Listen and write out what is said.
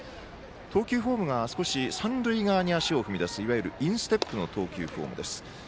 投球フォームは少し三塁側に足を踏み出すインステップの投球フォームです。